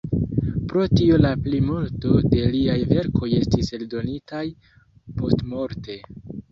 Pro tio la plimulto de liaj verkoj estis eldonitaj postmorte.